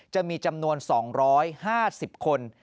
จะมีจำนวน๒๕๐คน